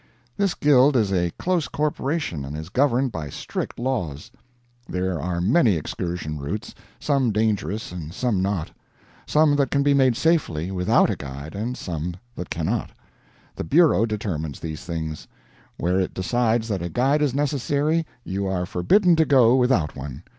This guild is a close corporation, and is governed by strict laws. There are many excursion routes, some dangerous and some not, some that can be made safely without a guide, and some that cannot. The bureau determines these things. Where it decides that a guide is necessary, you are forbidden to go without one.